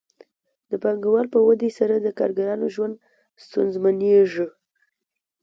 د پانګوال په ودې سره د کارګرانو ژوند ستونزمنېږي